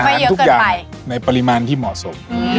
ทำทุกอย่างในปริมาณที่เหมาะสม